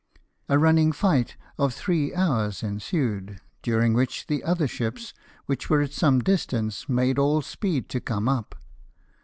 A running fight of three hours ensued ; during which the other ships, which were at some distance, made all speed to come up.